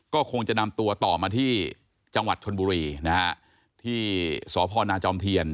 ก็คงจะนำตัวต่อมาที่จังหวัดชนบุรีนะฮะที่สพนาจอมเทียน